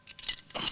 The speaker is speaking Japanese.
あっ。